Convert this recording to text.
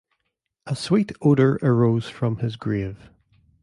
A sweet odor arose from his grave.